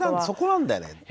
そこなんだよね。